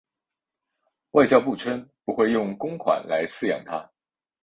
外交部称不会用公款来饲养它。